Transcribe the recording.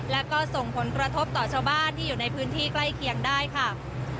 และก็ส่งผลกระทบต่อชาวบ้านที่อยู่ในพื้นที่ใกล้เคียงได้ค่ะ